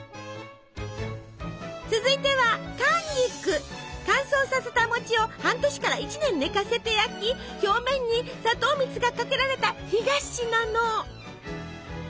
続いては乾燥させた餅を半年から１年寝かせて焼き表面に砂糖蜜がかけられた干菓子なの。